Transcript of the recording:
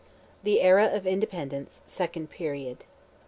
THE ERA OF INDEPENDENCE—SECOND PERIOD.